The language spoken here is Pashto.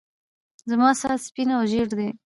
زما ساعت سپين او ژړ دی.